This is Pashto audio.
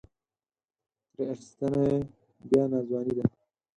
ترې اخیستنه یې بیا ناځواني ده.